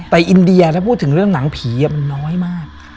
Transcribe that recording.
อินเดียแล้วพูดถึงเรื่องหนังผีมันน้อยมาก